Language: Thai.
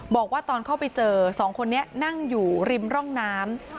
บอกว่าตอนเข้าไปเจอสองคนนี้นั่งอยู่ริมร่องน้ำ